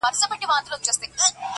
لږ دي د حُسن له غروره سر ور ټیټ که ته.